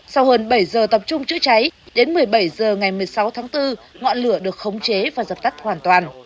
sau hơn bảy giờ tập trung chữa cháy đến một mươi bảy h ngày một mươi sáu tháng bốn ngọn lửa được khống chế và dập tắt hoàn toàn